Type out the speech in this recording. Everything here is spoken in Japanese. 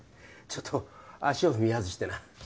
ちょっと足を踏み外してな。